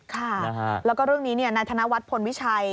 ค่ะแล้วก็เรื่องนี้นายธนวัฒนพลวิชัย